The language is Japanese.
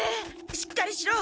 しっかりしろ！